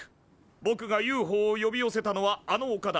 ぼくがＵＦＯを呼び寄せたのはあのおかだ。